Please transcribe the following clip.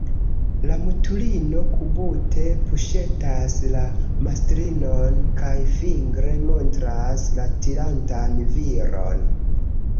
La mutulino kubute puŝetas la mastrinon kaj fingre montras la tirantan viron.